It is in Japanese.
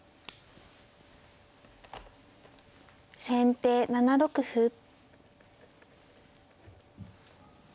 先手７六歩。